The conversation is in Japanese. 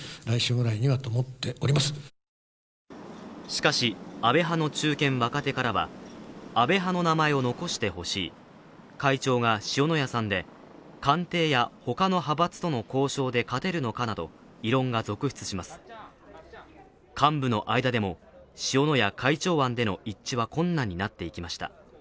しかし、安倍派の中堅・若手からは安倍派の名前を残してほしい会長が塩谷さんで官邸や他の派閥との交渉で勝てるのかなど、異論が続出します幹部の間でも塩谷会長案での一致は困難になっていきました。